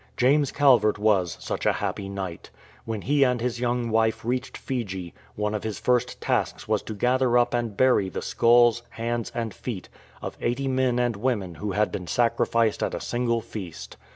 James Calvert was such a happy knight. When he and his young wife reached Fiji, one of his first tasks was to gather up and bury the skulls, hands, and feet of eighty men and women who had been sacrificed at a sincjle feast.